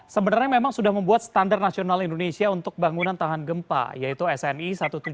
sebenarnya memang sudah membuat standar nasional indonesia untuk bangunan tahan gempa yaitu sni satu ratus tujuh puluh